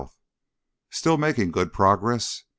Still making good progress.